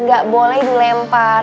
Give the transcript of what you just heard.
gak boleh dilempar